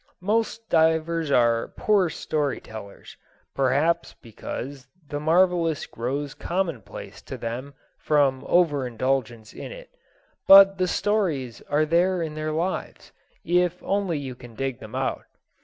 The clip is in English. Most divers are poor story tellers (perhaps because the marvelous grows commonplace to them from over indulgence in it), but the stories are there in their lives, if only you can dig them out.